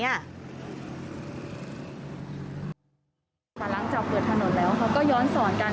หลังจากเปิดถนนแล้วเขาก็ย้อนสอนกัน